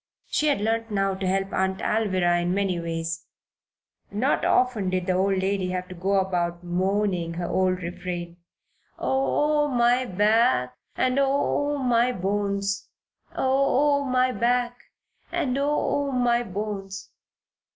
She had learned now to help Aunt Alvirah in many ways. Not often did the old lady have to go about moaning her old refrain: "Oh, my back and oh, my bones! Oh, my back and oh, my bones!"